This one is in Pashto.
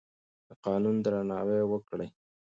د قانون درناوی وکړئ.